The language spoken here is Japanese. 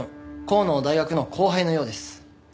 香野の大学の後輩のようです。